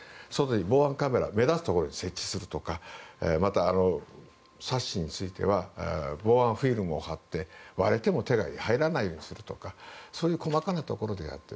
防犯カメラを目立つところに設置するとかまたサッシについては防犯フィルムを貼って割れても手が入らないようにするとか細かなところであったり。